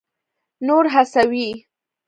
نور هڅوي.